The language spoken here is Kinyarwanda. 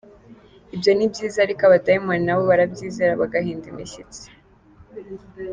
Ibyo ni byiza, ariko abadayimoni na bo barabyizera bagahinda imishyitsi.